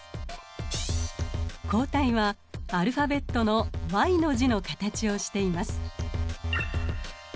抗体はアルファベットのＹの字の形をしています。